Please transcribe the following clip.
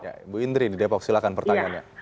ya ibu indri di depok silahkan pertanyaannya